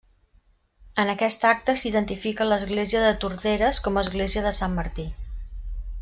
En aquesta acta s'identifica l'església de Torderes com a església de Sant Martí.